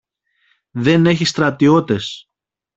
Δεν έχει στρατιώτες.